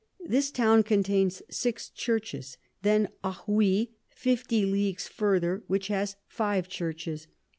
This Town contains six Churches. Then Ogui 50 Leagues further, which has five Churches.